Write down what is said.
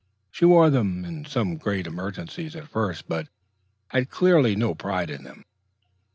She wore them in some great emergencies at first, but had clearly no pride in them.